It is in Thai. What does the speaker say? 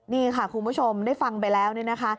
นี่ค่ะคุณผู้ชมได้ฟังไปแล้วเนี่ยนะคะ